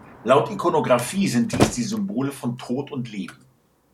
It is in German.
Laut Ikonografie sind dies die Symbole von Tod und Leben.